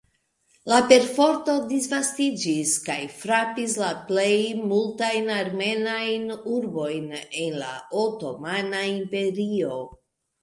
La perforto disvastiĝis kaj frapis la plej multajn armenajn urbojn en la Otomana Imperio.